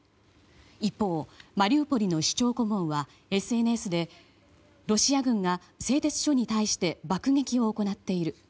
一方、マリウポリの市長顧問はＳＮＳで、ロシア軍が製鉄所に対して爆撃を行っている。